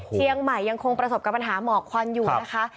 เชียงใหม่ยังคงประสบกับปัญหาหมอกควันอยู่นะคะ